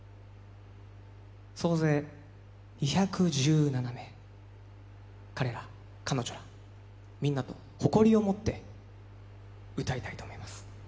総勢２１７名、彼ら、彼女、みんなと誇りを持って歌いたいと思います。